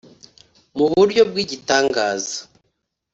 mu buryo bw igitangaza